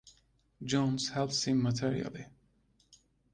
Jones helps him materially.